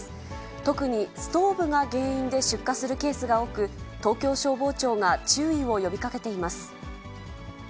特にストーブが原因で出火するケースが多く、東京消防庁が注意を呼びかけています。